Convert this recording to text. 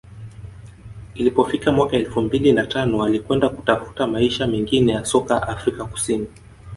ilipofika mwaka elfu mbili na tano alikwenda kutafuta maisha mengine ya soka Afrika Kusini